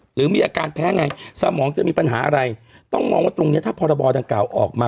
หรือมีอาการแพ้ไงสมองจะมีปัญหาอะไรต้องมองว่าตรงเนี้ยถ้าพรบดังกล่าวออกมา